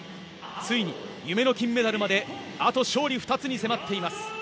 ついに夢の金メダルまであと勝利２つに迫っています。